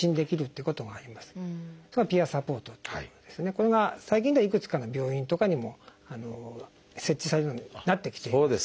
これが最近ではいくつかの病院とかにも設置されるようになってきています。